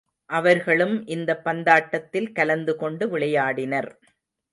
அவர்களும் இந்த பந்தாட்டத்தில் கலந்து கொண்டு விளையாடினர்.